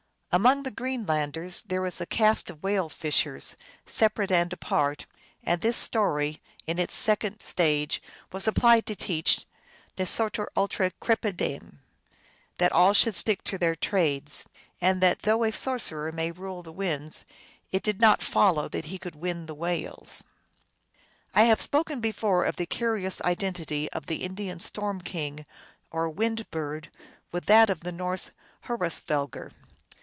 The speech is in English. Among the Greenlanders there is a caste of whale fishers, separate and apart, and this story, in its second stage, was applied to teach, Ne sutor ultra crepidam, that all should stick to their trades, and that though a sorcerer might rule the winds it did not follow that he could win the whales. I have spoken before of the curious identity of the Indian storm king, or Wind Bird, with that of the Norse Hrosvelgar.